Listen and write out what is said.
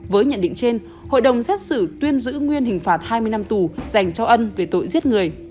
với nhận định trên hội đồng xét xử tuyên giữ nguyên hình phạt hai mươi năm tù dành cho ân về tội giết người